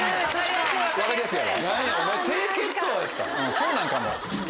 そうなんかも。